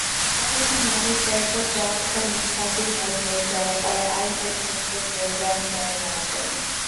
شاید ہمارے قرضہ جات کا مسئلہ بھی حل ہو جائے اور آئی ایم ایف سے پروگرام طے پا جائے۔